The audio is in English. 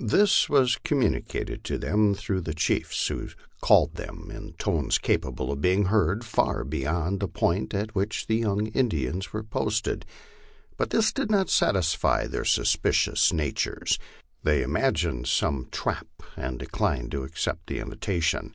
This was communicated to them through the chiefs, who called to them in tones capable of being heard far be}^ond the point at which the young Indians were posted. But this did not satisfy their suspicious natures; they imagined some trap, and declined to accept the invitation.